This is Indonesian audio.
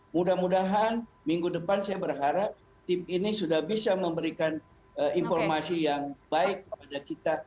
mudah mudahan minggu depan saya berharap tim ini sudah bisa memberikan informasi yang baik kepada kita